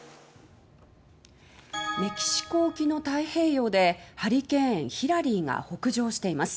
メキシコ沖の太平洋でハリケーン「ヒラリー」が北上しています。